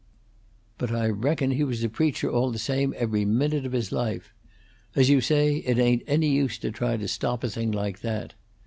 But I reckon he was a preacher, all the same, every minute of his life. As you say, it ain't any use to try to stop a thing like that.